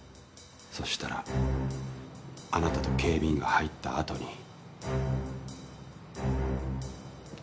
そしたらあなたと警備員が入ったあとに。